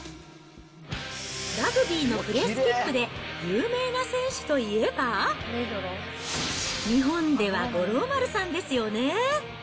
ラグビーのプレースキックで、有名な選手といえば、日本では五郎丸さんですよね。